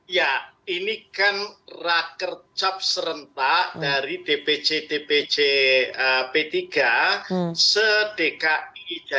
ya ini kan rakercap serentak dari dp cp tiga sedekai